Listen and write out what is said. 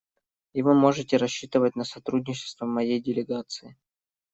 И вы можете рассчитывать на сотрудничество моей делегации.